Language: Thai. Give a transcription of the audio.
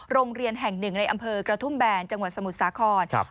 โรงเรียนแห่งหนึ่งในอำเภอกระทุ่มแบนจังหวัดสมุทรสาคร